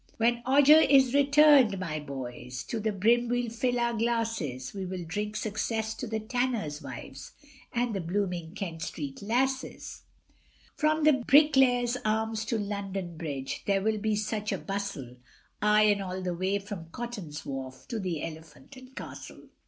When Odger is returned, my boys, To the brim we'll fill our glasses, We will drink success to the tanners' wives, And the blooming Kent Street lasses; From the Bricklayers' Arms to London Bridge, There will be such a bustle, Aye, and all the way from Cotton's Wharf To the Elephant and Castle.